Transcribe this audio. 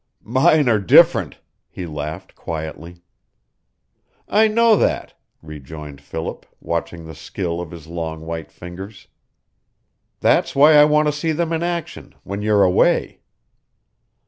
"Mine are different," he laughed, quietly. "I know that," rejoined Philip, watching the skill of his long white fingers. "That's why I want to see them in action, when you're away."